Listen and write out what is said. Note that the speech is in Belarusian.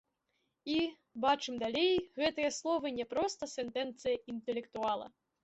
І, бачым далей, гэтыя словы не проста сэнтэнцыя інтэлектуала.